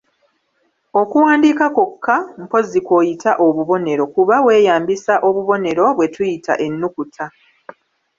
Okuwandiika kwokka mpozzi kw'oyita obubonero, kuba weeyambisa obubonero bwe tuyita ennukuta.